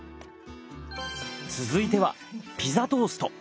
続いてはピザトースト。